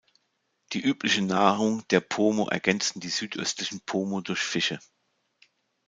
Die übliche Nahrung der Pomo ergänzten die Südöstlichen Pomo durch Fische.